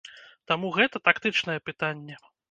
Таму гэта тактычнае пытанне.